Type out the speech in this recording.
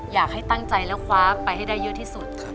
อยากให้ตั้งใจแล้วคว้าไปให้ได้เยอะที่สุด